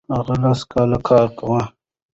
هغه لس کاله کار کاوه.